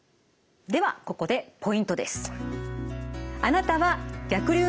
ではここでポイントです。